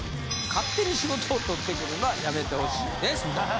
勝手に仕事を取ってくるのはやめて欲しいです。